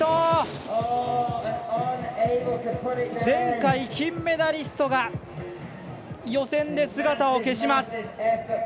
前回、金メダリストが予選で姿を消します。